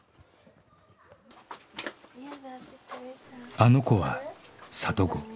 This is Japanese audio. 「あの子」は里子